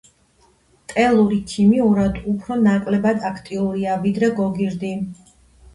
ტელური ქიმიურად უფრო ნაკლებად აქტიურია ვიდრე გოგირდი.